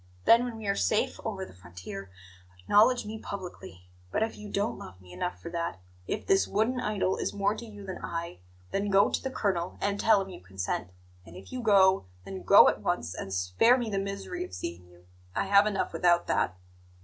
Then, when we are safe over the frontier, acknowledge me publicly. But if you don't love me enough for that, if this wooden idol is more to you than I, then go to the colonel and tell him you consent. And if you go, then go at once, and spare me the misery of seeing you. I have enough without that."